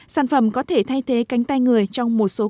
sản phẩm có thể thay thế cánh tay người trong một số khu vực